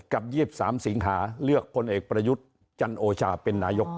กับ๒๓สิงหาเลือกพลเอกประยุทธ์จันโอชาเป็นนายก